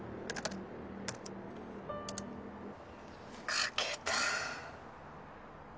書けた。